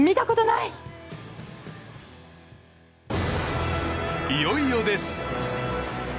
いよいよです。